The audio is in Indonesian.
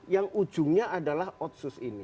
yang ujungnya adalah otsus ini